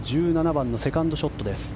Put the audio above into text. １７番のセカンドショットです。